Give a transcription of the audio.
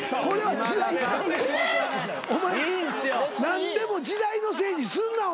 何でも時代のせいにすんなお前は。